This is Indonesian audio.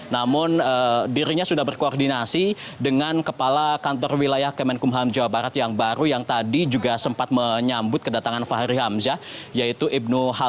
namun dirinya sudah berkoordinasi dengan kepala kantor wilayah kemenkum ham jawa barat yang baru yang tadi juga sempat menyambut kedatangan fahri hamzah